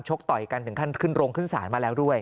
ต่อยกันถึงขั้นขึ้นโรงขึ้นศาลมาแล้วด้วย